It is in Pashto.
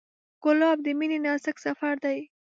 ګلاب د مینې نازک سفر دی.